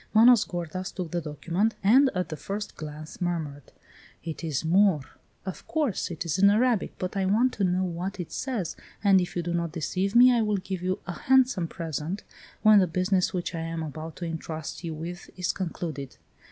Manos gordas took the document, and at the first glance murmured: "It is Moor " "Of course, it is in Arabic. But I want to know what it says, and if you do not deceive me I will give you a handsome present when the business which I am about to entrust you with is concluded."